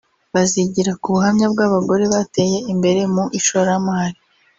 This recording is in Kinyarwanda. bazigira ku buhamya bw’abagore bateye imbere mu ishoramari